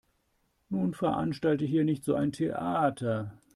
Nun veranstalte hier nicht so ein Theater.